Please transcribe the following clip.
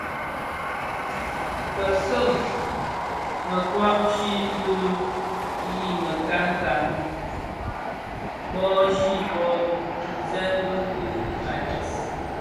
Betceu mekoai chi bé yii mikankan, bố chi bộ, ntuňzèn di dhim a dis,